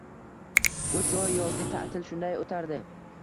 Uch oy yozgi ta’til shunday o‘tardi